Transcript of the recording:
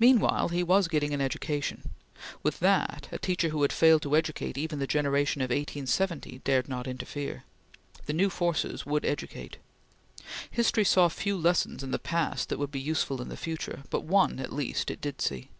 Meanwhile he was getting education. With that, a teacher who had failed to educate even the generation of 1870, dared not interfere. The new forces would educate. History saw few lessons in the past that would be useful in the future; but one, at least, it did see.